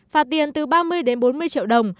phạt tiền từ ba mươi triệu đồng đến bốn mươi triệu đồng